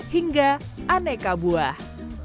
hingga aneka buah